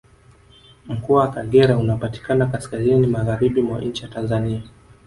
Mkoa wa Kagera unapatikana Kaskazini Magharibi mwa nchi ya Tanzania